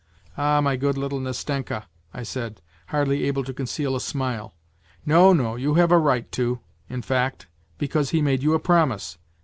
..."" Ah, my good little Nastenka," I said, hardly able to conceal a smile ;" no, no, you have a right to, in fact, because he made you a promise.